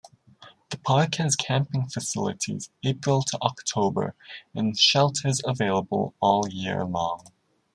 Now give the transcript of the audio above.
The park has camping facilities April to October, and shelters available all year long.